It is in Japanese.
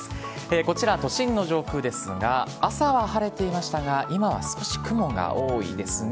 こちら、都心の上空ですが、朝は晴れていましたが、今は少し雲が多いですね。